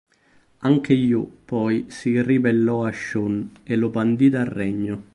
Anche Yu poi si ribellò a Shun e lo bandì dal regno.